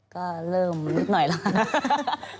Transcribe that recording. ก็เริ่มนิดหน่อยแล้วกัน